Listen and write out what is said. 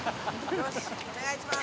お願いします。